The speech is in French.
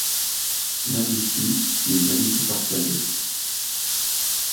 Là-dessus, les avis se partageaient.